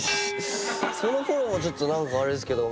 そのフォローもちょっと何かあれですけど。